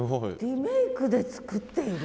リメイクで作っている？